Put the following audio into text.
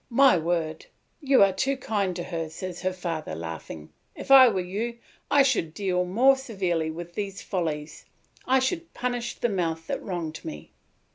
"My word, you are too kind to her," says her father, laughing; "if I were you, I should deal more severely with these follies, I should punish the mouth that wronged me."